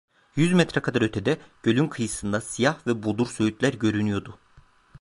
Yüz metre kadar ötede, gölün kıyısında siyah ve bodur söğütler görünüyordu.